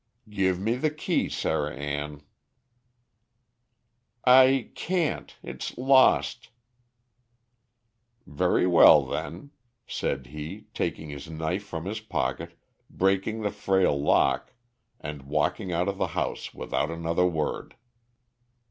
"Give me the key, Sarah Ann." "I can't. It's lost." "Very well, then," said he, taking his knife from his pocket, breaking the frail lock, and walking out of the house without another word.